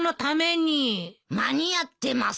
間に合ってます。